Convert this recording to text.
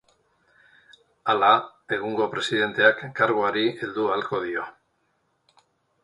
Hala, egungo presidenteak karguari heldu ahalko dio.